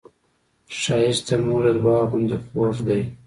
ښایست د مور د دعا غوندې خوږ دی